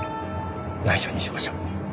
内緒にしましょう。